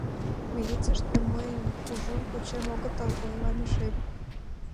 — Милицийыште мыйым кужун кучен огытыл, — ойла Мишель.